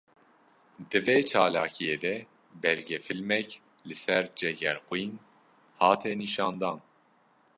Di vê çalakiyê de belgefilmek li ser Cegerxwîn hate nîşandan